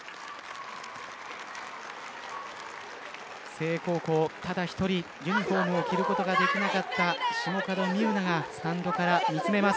誠英高校、ただ一人ユニホームを着ることができなかったシモカドミユナがスタンドから見つめます。